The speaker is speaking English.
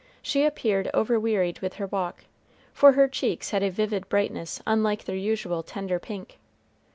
She appeared overwearied with her walk, for her cheeks had a vivid brightness unlike their usual tender pink.